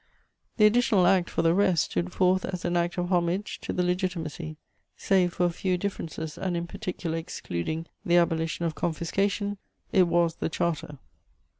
The "Additional Act," for the rest, stood forth as an act of homage to the Legitimacy; save for a few differences, and, in particular, excluding "the abolition of confiscation," it was the Charter.